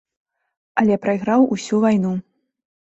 Але прайграў усю вайну.